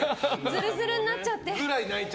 ずるずるになっちゃって。